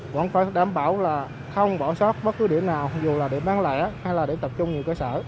vẫn phải đảm bảo là không bỏ sót bất cứ điểm nào dù là điểm bán lẻ hay là điểm tập trung nhiều cơ sở